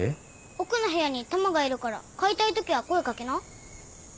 奥の部屋にタマがいるから買いたいときは声掛けな。